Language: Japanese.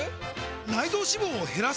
内臓脂肪を減らす！？